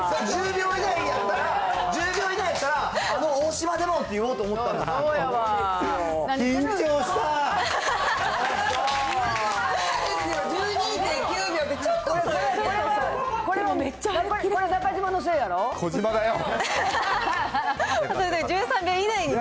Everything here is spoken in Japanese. １０秒以内やったら、１０秒以内だったら、あのおおしまでもって言おうと思ったのに。